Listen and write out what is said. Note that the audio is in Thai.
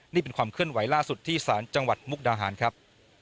นี่เป็นความเคลื่อนไหวล่าสุดที่สารจังหวัดมุกดาหารครับ